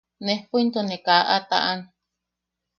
Nejpo into ne kaa a taʼan.